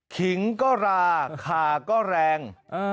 ขิงก็ราคาก็แรง